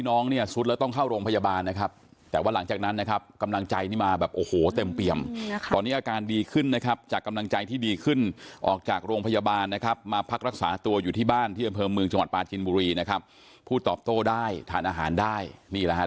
น้องน้ำลึกถึงต้องมหากรุณาธิคุณ